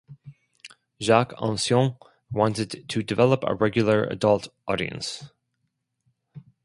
Jacques Ancion wanted to develop a regular adult audience.